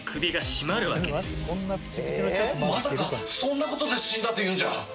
まさかそんなことで死んだというんじゃ？